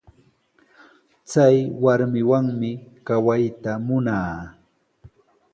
Chay warmiwanmi kawayta munaa.